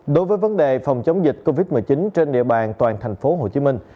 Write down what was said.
đối với vấn đề phòng chống dịch covid một mươi chín trên địa bàn toàn thành phố hồ chí minh